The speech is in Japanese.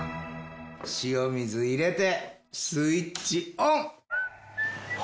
塩水入れてスイッチオン！